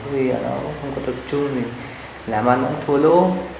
vì là nó không có tập trung thì làm ăn cũng thua lỗ